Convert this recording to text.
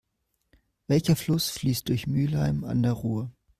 Welcher Fluss fließt durch Mülheim an der Ruhr?